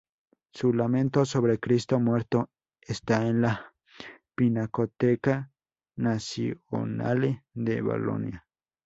Su "Lamento sobre Cristo muerto" está en la Pinacoteca Nazionale de Bolonia.